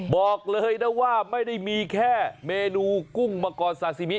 บอกเลยนะว่าไม่ได้มีแค่เมนูกุ้งมังกรซาซิมิ